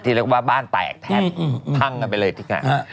ที่เรียกว่าบ้านแตกแทบพังกันไปเลยทีนี้